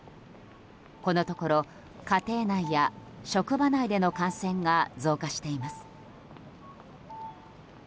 このところ、家庭内や職場内での感染が増加しています。